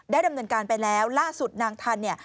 ได้ดำเนินการไปแล้วล่าสุดนางทัน